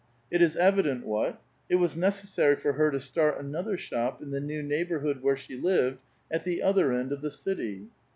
It is evident what. It was necessary for her to start another shop in the new neighborhood where she lived, at the other end of the cit\'.